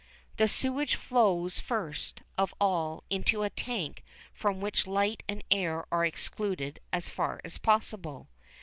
The sewage flows first of all into a tank from which light and air are excluded as far as possible.